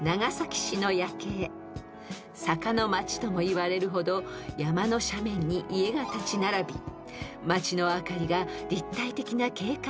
［坂の街ともいわれるほど山の斜面に家が立ち並び街の明かりが立体的な景観を生み出しています］